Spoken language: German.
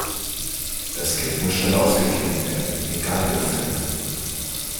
Das Geld muss schnell ausgegeben werden, egal wofür.